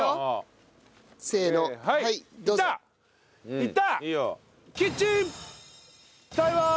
いった！